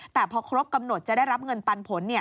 แต่พอครบกำหนดจะได้รับเงินปันผล